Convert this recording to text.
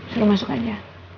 silahkan masuk aja